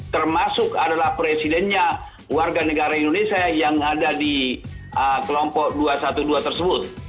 termasuk adalah presidennya warga negara indonesia yang ada di kelompok dua ratus dua belas tersebut